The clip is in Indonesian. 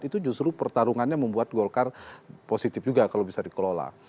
itu justru pertarungannya membuat golkar positif juga kalau bisa dikelola